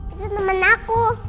itu temen aku